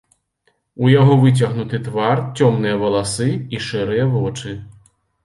У яго выцягнуты твар, цёмныя валасы і шэрыя вочы.